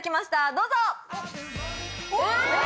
どうぞ！